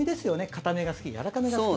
硬めが好き、やわらかめが好き。